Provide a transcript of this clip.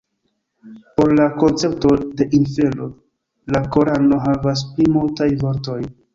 Por la koncepto de infero la korano havas pli multajn vortojn.